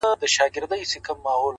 • څنگه دي د زړه سيند ته غوټه سمه؛